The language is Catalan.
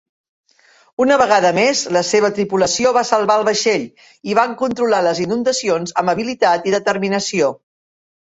Una vegada més, la seva tripulació va salvar el vaixell i van controlar les inundacions amb habilitat i determinació.